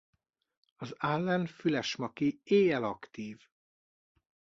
Az Allen-fülesmaki éjjel aktív.